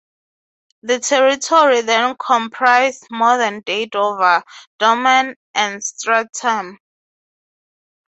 The territory then comprised modern-day Dover, Durham, and Stratham.